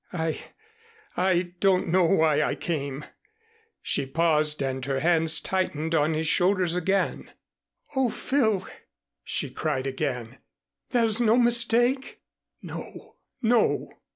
I I don't know why I came " She paused and her hands tightened on his shoulders again. "Oh, Phil," she cried again, "there's no mistake?" "No no."